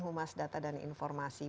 humas data dan informasi